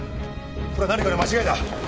これは何かの間違いだ！